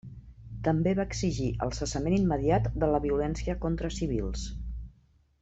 També va exigir el cessament immediat de la violència contra civils.